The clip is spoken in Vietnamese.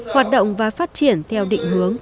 hoạt động và phát triển theo định hướng